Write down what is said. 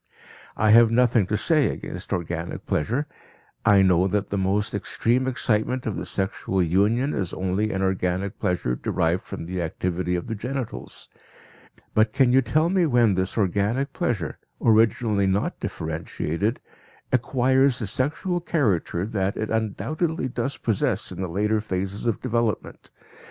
I have nothing to say against organic pleasure; I know that the most extreme excitement of the sexual union is only an organic pleasure derived from the activity of the genitals. But can you tell me when this organic pleasure, originally not differentiated, acquires the sexual character that it undoubtedly does possess in the later phases of development?